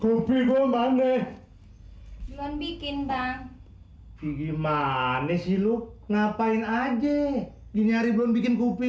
kopi gua mane belum bikin bang gimana sih lu ngapain aja nyari belum bikin kupi